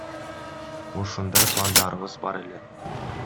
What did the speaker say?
Ушундай пландарыбыз бар эле.